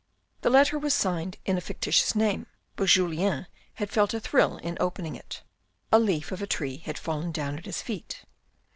The letter was signed in a fictitious name, but Julien had felt a thrill in opening it. A leaf of a tree had fallen down at his feet.